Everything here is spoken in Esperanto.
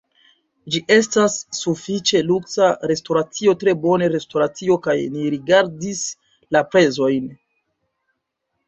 ĝi estas sufiĉe luksa restoracio tre bone restoracio kaj ni rigardis la prezojn